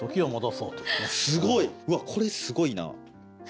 うわこれすごいな。